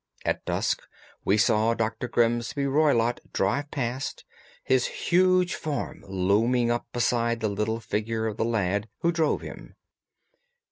At dusk we saw Dr. Grimesby Roylott drive past, his huge form looming up beside the little figure of the lad who drove him.